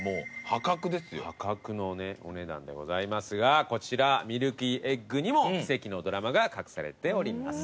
破格のお値段でございますがこちらミルキーエッグにも奇跡のドラマが隠されております。